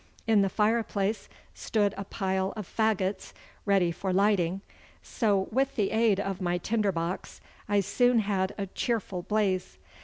In the fireplace stood a pile of faggots ready for lighting, so with the aid of my tinder box I soon had a cheerful blaze.